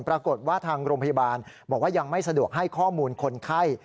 ปรากฏว่าทางโรงพยาบาลบอกว่ายังไม่สะดวกให้ข้อมูลคนไข้